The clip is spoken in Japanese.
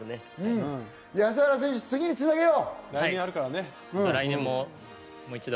安原選手、次につなげよう！